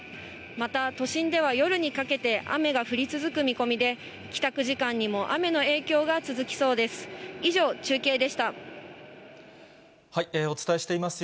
また都心では夜にかけて雨が降り続く見込みで、帰宅時間にも雨の影響が続きそうです。